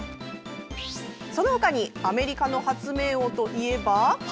その他にアメリカの発明王といえば？